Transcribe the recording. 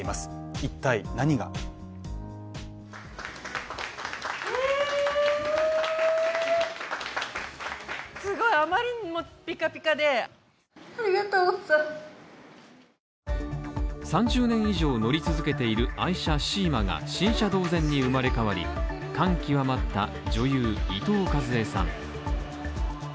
一体、何が３０年以上乗り続けている愛車シーマが、新車同然に生まれ変わり、感極まった女優・伊藤かずえさん。